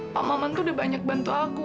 pak maman tuh udah banyak bantu aku